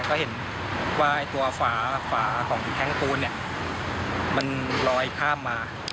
ก็เห็นว่าตัวฝาของแท้งปูนเนี่ยมันลอยข้ามมา